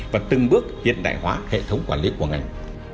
và từng bước hiện đại hóa hệ thống quản lý của ngành